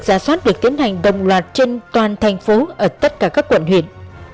giả soát được tiến hành đồng loạt trên toàn thành phố ở tất cả các quận huyện